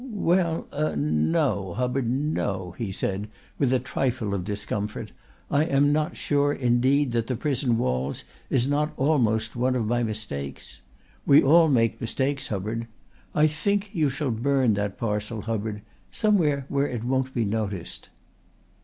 "Well er no, Hubbard no," he said with a trifle of discomfort. "I am not sure indeed that The Prison Walls is not almost one of my mistakes. We all make mistakes, Hubbard. I think you shall burn that parcel, Hubbard somewhere where it won't be noticed."